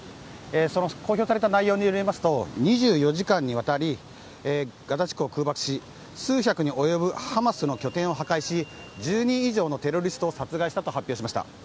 その公表された内容によりますと２４時間にわたりガザ地区を空爆し数百に及ぶハマスの拠点を破壊し１０人以上のテロリストを殺害したと発表しました。